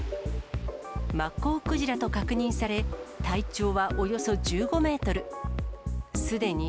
マッコウクジラと確認され、体長はおよそ１５メートル。